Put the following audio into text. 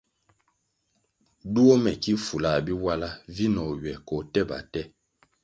Duo mè ki fulah Biwala vinoh ywè ko tèba tè.